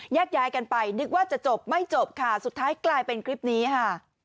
แยกย้ายกันไปนึกว่าจะจบไม่จบค่ะสุดท้ายกลายเป็นคลิปนี้ค่ะ